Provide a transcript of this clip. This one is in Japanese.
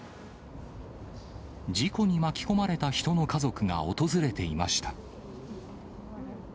事故に巻き込まれた人の家族が訪れていました。